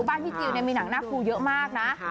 บ้านพี่จิลมีหนังหน้าครูเยอะมากนะ